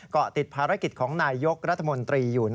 เกาะติดภารกิจของนายยกรัฐมนตรีอยู่